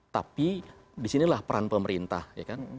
tapi di sinilah peran pemerintah ya kan